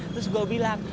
terus gua bilang